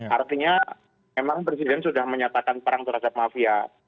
artinya memang presiden sudah menyatakan perang terhadap mafia